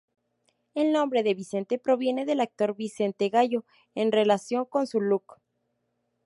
El nombre de Vicente proviene del actor Vincent Gallo, en relación con su "look".